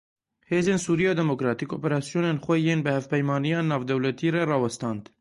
Hêzên Sûriya Demokratîk operasyonên xwe yên bi Hevpeymaniya Navdewletî re rawestand.